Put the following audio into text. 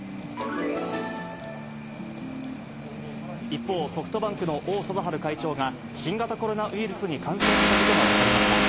一方、ソフトバンクの王貞治会長が、新型コロナウイルスに感染したことが分かりました。